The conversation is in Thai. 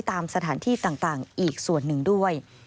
ตามสถานที่ต่างอีกส่วนหนึ่งด้วย